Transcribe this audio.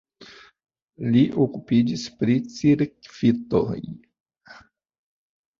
Li okupiĝis pri cirkvitoj.